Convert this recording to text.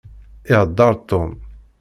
Iheddeṛ Tom.